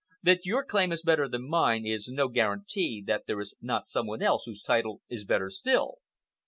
That your claim is better than mine is no guarantee that there is not some one else whose title is better still."